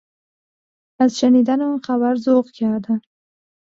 از شنیدن آن خبر ذوق کردم.